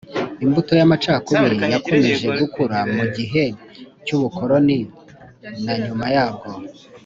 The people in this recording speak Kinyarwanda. Imbuto y’amacakubiri yakomeje gukura mu gihe cy’ubukoloni na nyuma yabwo